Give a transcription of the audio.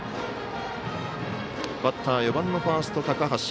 バッター、４番ファースト高橋。